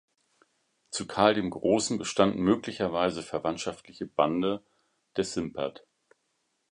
Zu Karl dem Großen bestanden möglicherweise verwandtschaftliche Bande des Simpert.